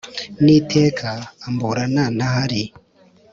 ni iteka amburana ntahari